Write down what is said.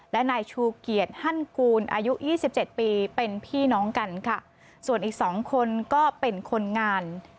และ๒คนก็เป็นคนงาน